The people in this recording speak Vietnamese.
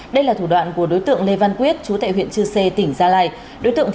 đây là thủ đoạn của đối tượng lê văn quyết chú tại huyện chư sê tỉnh gia lai